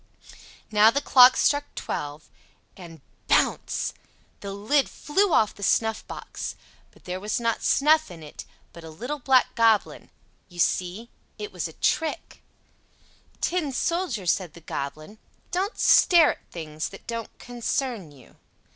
Now the clock struck twelve—and, bounce!—the lid flew off the snuffbox; but there was not snuff in it, but a little black goblin; you see, it was a trick. "Tin Soldier," said the Goblin, "don't stare at things that don't concern you."